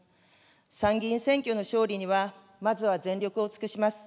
参議院選挙の勝利にはまずは全力を尽くします。